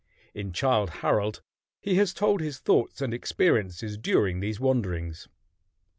In "Childe Harold" he has told his thoughts and experiences during these wanderings.